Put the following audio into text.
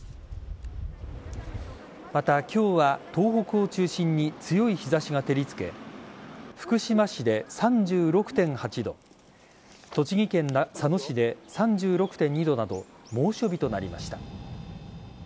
また、今日は東北を中心に強い日差しが照りつけ福島市で３６．８度栃木県佐野市で３６．２度など猛暑日となりました。